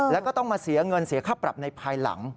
แล้วก็ต้องมาเสียเงินเสียค่าปรับในภายหลัง